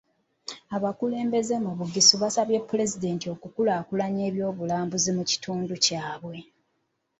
Abakulembeze mu Bugisu basabye Pulezidenti okukulaakulanya eby’obulambuzi mu kitundu kyabwe.